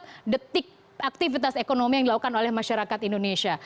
setiap detik aktivitas ekonomi yang dilakukan oleh masyarakat indonesia